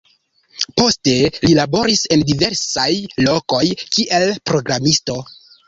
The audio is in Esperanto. Poste li laboris en diversaj lokoj kiel programisto.